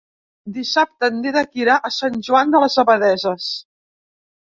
Dissabte en Dídac irà a Sant Joan de les Abadesses.